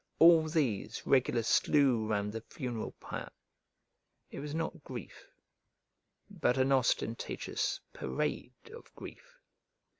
All these Regulus slew round the funeral pile. It was not grief, but an ostentatious parade of grief.